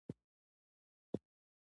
د رخسارونو په آئینو کې مې